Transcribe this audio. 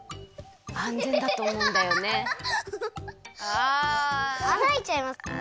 あなあいちゃいます。